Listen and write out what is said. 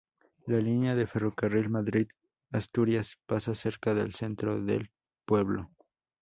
La línea de ferrocarril Madrid-Asturias pasa cerca del centro del pueblo.